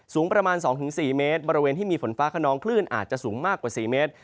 สูงประมาณ๒๔เมตรบริเวณที่มีฝนฟ้าขนองคลื่นอาจจะสูงมากกว่า๔เมตร